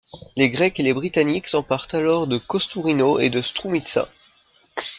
Les Grecs et les Britanniques s'emparent alors de Kostourino et de Stroumitsa.